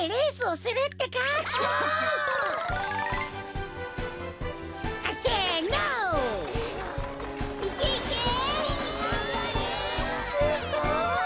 すっごい！